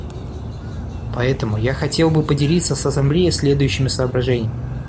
Поэтому я хотел бы поделиться с Ассамблеей следующими соображениями.